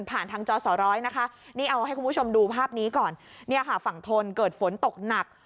ผ่านทางจอสาร้อยนะคะนี่เอาให้คุณผู้ชมดูภาพนี้ก่อน